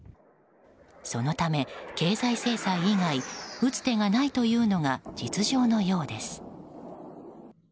そのため、経済制裁以外打つ手がないというのが実情のようです。